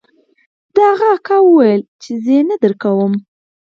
د هغه تره وويل چې زه يې نه درکوم.